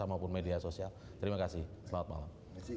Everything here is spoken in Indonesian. maupun media sosial terima kasih selamat malam